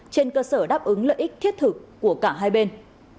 trên cơ sở đáp ứng lợi ích thiết thực của cả hai bên